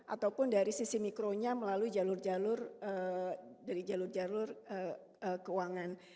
ataupun dari sisi mikronya melalui jalur jalur dari jalur jalur keuangan